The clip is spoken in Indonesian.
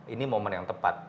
ini momen yang tepat